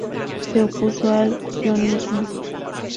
Se opuso al sionismo.